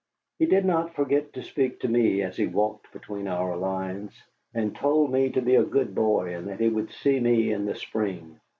He did not forget to speak to me as he walked between our lines, and told me to be a good boy and that he would see me in the spring.